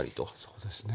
そうですね。